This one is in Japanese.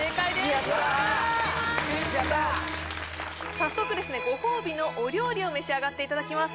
早速ご褒美のお料理を召し上がっていただきます